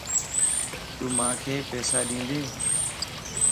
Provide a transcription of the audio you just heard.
تو مانک پيسا ڏيندين